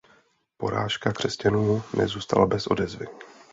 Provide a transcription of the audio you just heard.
Porážka křesťanů nezůstala bez odezvy.